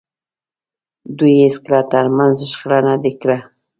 دوی هېڅکله تر منځ شخړه نه ده کړې.